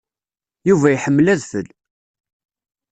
Yuba iḥemmel adfel.